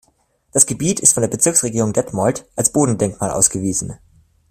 Das Gebiet ist von der Bezirksregierung Detmold als Bodendenkmal ausgewiesen.